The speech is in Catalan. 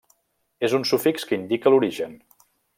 És un sufix que indica l'origen.